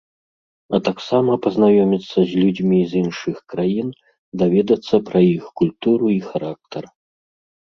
А таксама пазнаёміцца з людзьмі з іншых краін, даведацца пра іх культуру і характар.